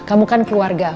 kamu kan keluarga